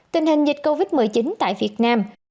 tình hình dịch covid một mươi chín tại việt nam